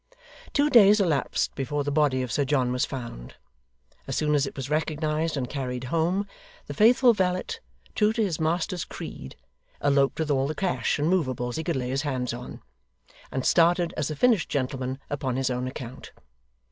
Two days elapsed before the body of Sir John was found. As soon as it was recognised and carried home, the faithful valet, true to his master's creed, eloped with all the cash and movables he could lay his hands on, and started as a finished gentleman upon his own account.